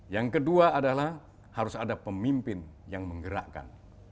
yang kedua adalah harus ada pemimpin yang menggerakkan